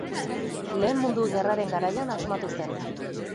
Lehen Mundu Gerraren garaian asmatu zen.